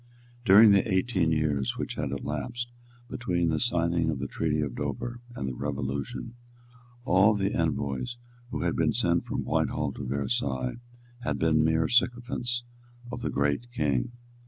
During the eighteen years which had elapsed between the signing of the Treaty of Dover and the Revolution, all the envoys who had been sent from Whitehall to Versailles had been mere sycophants of the great King.